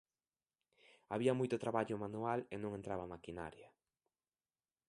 Había moito traballo manual e non entraba a maquinaria.